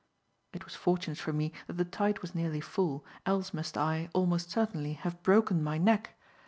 It was fortunate for me that the tide was nearly full, else must I, almost certainly, have broken my neck.